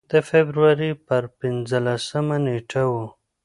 د فبروري پر پنځلسمه نېټه و.